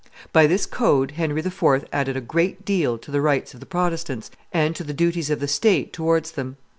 By this code Henry IV. added a great deal to the rights of the Protestants and to the duties of the state towards them.